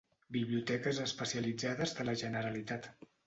Biblioteques especialitzades de la Generalitat.